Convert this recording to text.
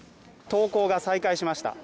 登校が再開しました